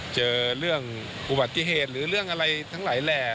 เจอเรื่องอุบัติเหตุหรือเรื่องอะไรทั้งหลายแหล่